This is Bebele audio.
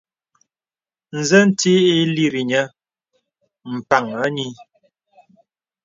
Nzə nti ǐ lìrì nyə̄ m̀pàŋ ànyìì.